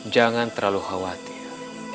jangan terlalu khawatir